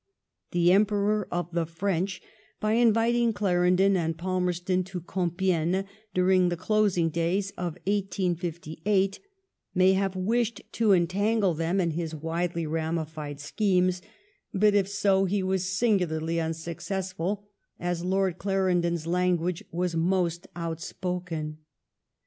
The Emperor of the French, by inviting^£^mrendon and Palmerston to Compiegne during tb^losing days of 1858, may have wished to entangle them in his widely ramified schemes; but if so^ he was singularly unsuccessful^ as Lord Clarendon's language was most outspoken.